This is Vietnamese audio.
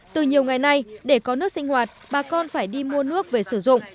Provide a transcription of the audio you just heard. từ nhiều ngày nay để có nước sinh hoạt bà con phải đi mua nước về sử dụng